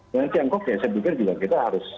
dengan tiongkok ya saya pikir juga kita harus